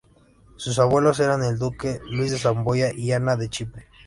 Sus abuelos eran el Duque Luis de Saboya y Ana de Chipre.